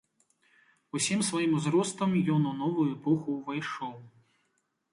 Усім сваім узростам ён у новую эпоху ўвайшоў.